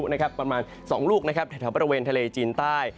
แล้วกระแสลมเพิ่มมาปกลุ่มในเมืองไทย